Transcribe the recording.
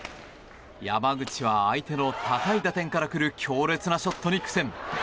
山口は相手の高い打点からくる強烈なショットに苦戦。